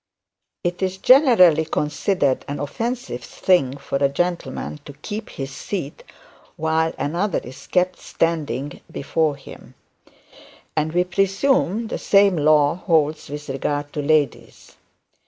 It is generally considered an offensive thing for a gentleman to keep his seat while another is kept standing before him, and we presume the same law holds with regard to ladies.